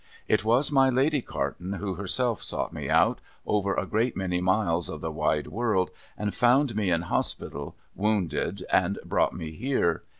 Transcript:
It was my Lady Carton who herself sought me out, over a great many miles of the wide world, and found me in Hospital wounded, and brought me here.